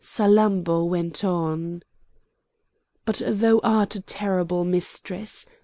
Salammbô went on: "But thou art a terrible mistress!